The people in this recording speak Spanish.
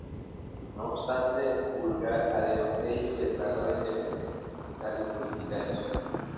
No obstante Pulgar además de ello, declara la independencia fiscal y política del Zulia.